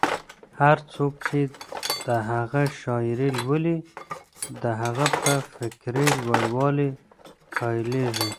هر څوک چې د هغه شاعري لولي، د هغه په فکري لوړوالي قایلېږي.